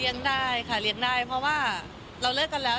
ได้ค่ะเรียนได้เพราะว่าเราเลิกกันแล้ว